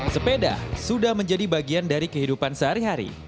sepeda sudah menjadi bagian dari kehidupan sehari hari